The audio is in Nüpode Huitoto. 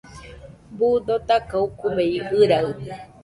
Buu dotaka ukube ɨraɨde